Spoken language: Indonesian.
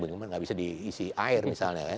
gak bisa diisi air misalnya